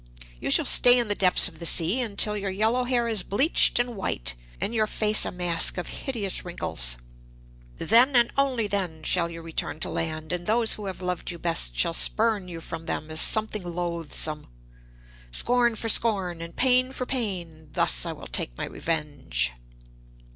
You shall stay in the depths of the sea until your yellow hair is bleached and white, and your face a mask of hideous wrinkles. Then, and then only, shall you return to land, and those who have loved you best shall spurn you from them as something loathsome. Scorn for scorn, and pain for pain. Thus will I take my revenge.'